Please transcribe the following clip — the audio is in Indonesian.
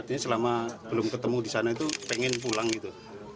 artinya selama belum ketemu di sana itu pengen pulang gitu